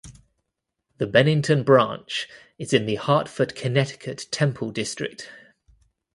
The Bennington Branch is in the Hartford Connecticut Temple District.